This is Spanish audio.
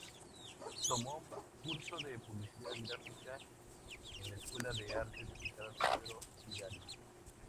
Tomó cursos de Publicidad Gráfica en la Escuela de Artes Aplicadas Pedro Figari.